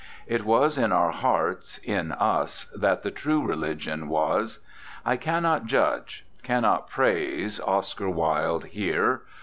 It was in our hearts, in us, that the true religion was. I cannot judge, cannot praise, Oscar Wilde here.